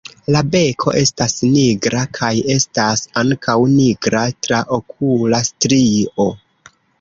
La beko estas nigra kaj estas ankaŭ nigra traokula strio.